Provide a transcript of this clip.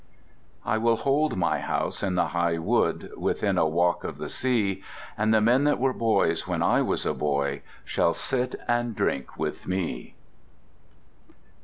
I will hold my house in the high wood Within a walk of the sea, And the men that were boys when I was a boy Shall sit and drink with me.